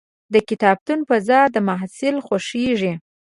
د کتابتون فضا د محصل خوښېږي.